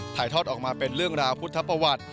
ถ่ายทอดออกมาเป็นเรื่องราวพุทธประวัติ